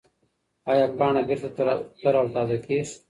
ایا پاڼه بېرته تر او تازه کېږي؟